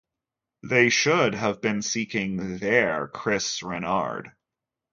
They should have been seeking "their" Chris Rennard.